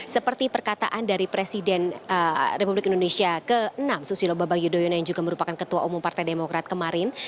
seperti perkataan dari presiden republik indonesia ke enam susilo bambang yudhoyono yang juga merupakan ketua umum partai demokrat kemarin